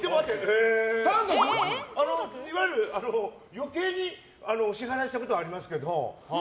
いわゆる余計に支払いしたことはありますけど。